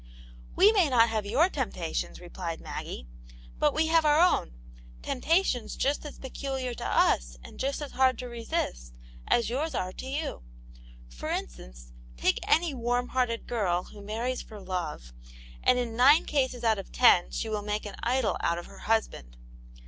"We may not have your temptations," replied Maggie, " but we have our own ; temptations just as peculiar to us and just as hard to resist, as yours are to you. For instance, take any viatva Vv^"^\,\.^^ ^c^.^ io8 Aunt Janets Hero, who marries for love, and in nine cases out of ten, she will make an idol out of her husband.